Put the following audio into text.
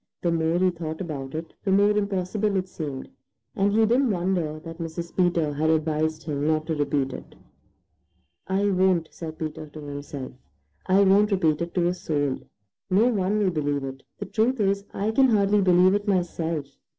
The more he thought about it, the more impossible it seemed, and he didn't wonder that Mrs. Peter had advised him not to repeat it. "I won't," said Peter to himself. "I won't repeat it to a soul. No one will believe it. The truth is, I can hardly believe it myself.